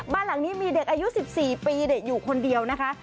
บ้านหลังนี้มีเด็กอายุ๑๔ปีเด็กอยู่คนเดียวนะคะ